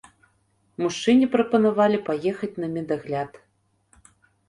Мужчыне прапанавалі паехаць на медагляд.